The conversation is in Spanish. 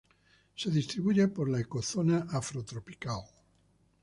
Se distribuye por la ecozona afrotropical.